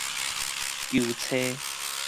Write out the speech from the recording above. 求揣